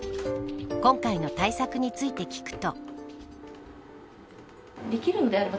今回の対策について聞くと。